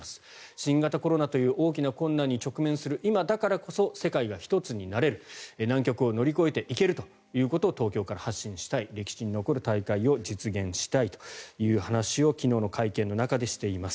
新型コロナという大きな困難に直面する今だからこそ世界が一つになれる難局を乗り越えていけると東京から発信したい歴史に残る大会を実現したいという話を昨日の会見の中でしています。